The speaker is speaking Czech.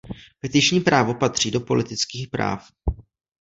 Petiční právo patří do politických práv.